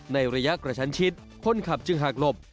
ในระยะกระชั้นชิดคนขับจึงหากหลบ